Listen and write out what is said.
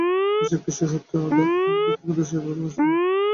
বয়সে কিশোর হওয়া সত্ত্বেও আদালত তাঁকে দোষী সাব্যস্ত করে ফাঁসির আদেশ দেন।